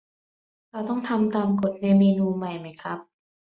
เราต้องทำตามกฎในเมนูใหม่ไหมครับ